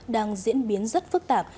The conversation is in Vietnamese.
đang diễn biến rất phức tạp